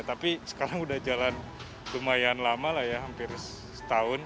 tapi sekarang udah jalan lumayan lama lah ya hampir setahun